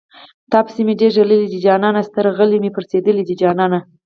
تاپسې مې ډېر ژړلي دي جانانه سترغلي مې پړسېدلي دي جانانه